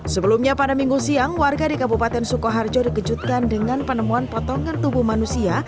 sebelumnya pada minggu siang warga di kabupaten sukoharjo dikejutkan dengan penemuan potongan tubuh manusia